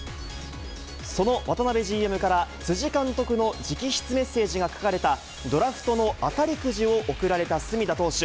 その渡辺ＧＭから、辻監督の直筆メッセージが書かれたドラフトの当たりくじを贈られた隅田投手。